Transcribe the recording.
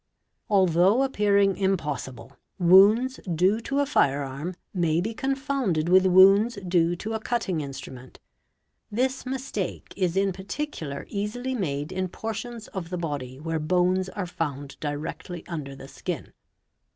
Although appearing impossible, wounds due to a fire arm may be j confounded with wounds due to a cutting instrument. This mistake is — in particular easily made in portions of the body where bones are found GUN SHOT WOUNDS 629 directly under the skin.